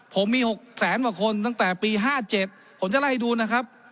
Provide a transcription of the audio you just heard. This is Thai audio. ผมมีหกแสนว่าคนตั้งแต่ปีห้าเจ็ดผมจะเล่าให้ดูนะครับ